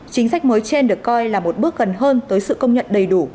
chính sách mới trên được coi là một bước gần hơn tới sự công nhận đầy đủ